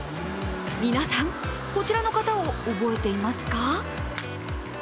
皆さん、こちらの方を覚えていますか？